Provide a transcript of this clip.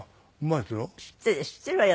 知ってるわよ